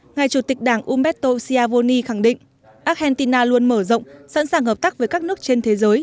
ngài chủ tịch đảng umberto siavoni khẳng định argentina luôn mở rộng sẵn sàng hợp tác với các nước trên thế giới